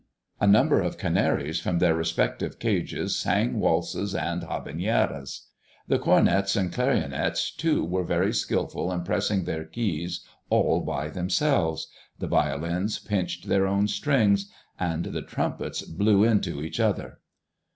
A number of canaries from their respective cages sang waltzes and habaneras. The cornets and the clarionets too were very skilful in pressing their keys all by themselves; the violins pinched their own strings; and the trumpets blew into each other.